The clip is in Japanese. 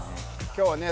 今日はね